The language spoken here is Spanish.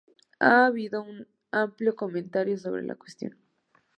Ha habido un amplio comentario sobre la cuestión.